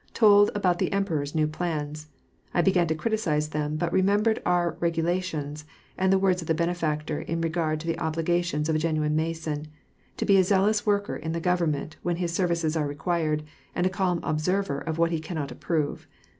Told about the Emperor's new plans. I began to criticise them but remembered our regulations, and the words of the Benefactor in regard to the obligations of a genuine Mason, — to be a zealous worker in the government when his services are required, and a calm observer of what he cannot approve.